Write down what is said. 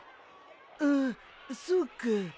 ああそうか。